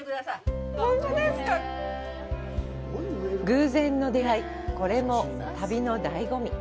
偶然の出会い、これも旅の醍醐味。